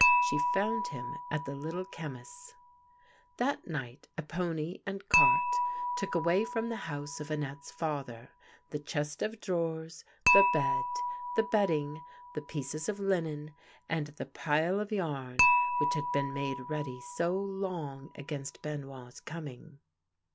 She found him at the Little Chemist's. That night a pony and cart took away from the house of Annette's father the chest of drawers, the bed, the bedding, the pieces of linen, and the pile of yarn which had been made ready so long against Benoit's coming.